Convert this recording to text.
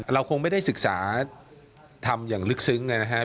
เราคงไม่ได้ศึกษาทำอย่างลึกซึ้งนะครับ